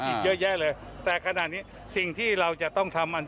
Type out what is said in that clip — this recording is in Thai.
อีกเยอะแยะเลยแต่ขณะนี้สิ่งที่เราจะต้องทำมัน